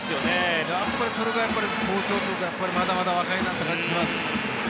やっぱりそれがまだまだ若いなという感じがします。